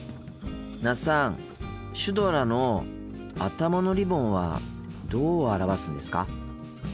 那須さんシュドラの頭のリボンはどう表すんですか？